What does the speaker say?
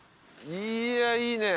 いやいいね。